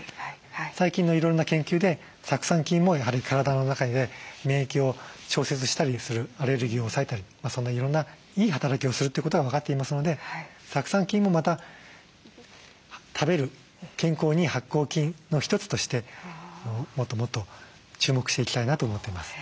最近のいろんな研究で酢酸菌もやはり体の中で免疫を調節したりするアレルギーを抑えたりそんないろんないい働きをするということが分かっていますので酢酸菌もまた食べる健康にいい発酵菌の一つとしてもっともっと注目していきたいなと思っています。